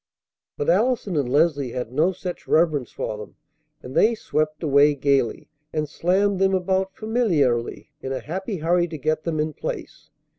But Allison and Leslie had no such reverence for them; and they swept away gayly, and slammed them about familiarly, in a happy hurry to get them in place.